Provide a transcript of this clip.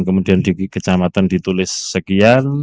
kemudian di kecamatan ditulis sekian